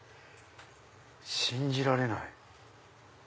信じられない。